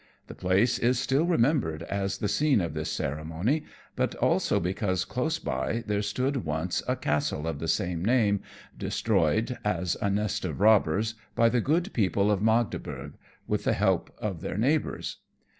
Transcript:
The place is still remembered as the scene of this ceremony; but also because close by there stood once a castle of the same name, destroyed, as a nest of robbers, by the good people of Magdeburgh, with the help of their neighbours.